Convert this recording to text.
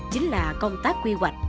chính là công tác quy hoạch